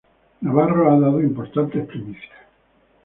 Navarro ha dado importantes primicias.